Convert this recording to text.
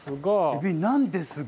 エビなんですが？